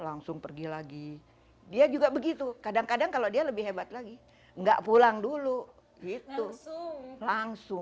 langsung pergi lagi dia juga begitu kadang kadang kalau dia lebih hebat lagi enggak pulang dulu gitu langsung